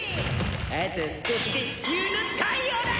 あと少しでチキューの太陽だ！